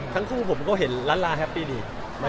ทั้งคู่ผมก็เห็นล้านลาแฮปปี้ดี